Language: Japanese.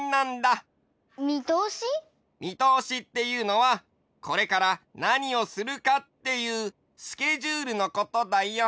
みとおしっていうのはこれからなにをするかっていうスケジュールのことだよ。